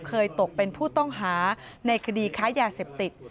ตกเป็นผู้ต้องหาในคดีค้ายาเสพติด